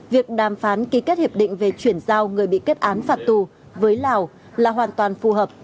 việc đàm phán ký kết hiệp định về chuyển giao người bị kết án phạt tù với lào là hoàn toàn phù hợp